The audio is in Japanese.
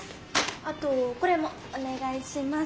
あとこれもお願いします。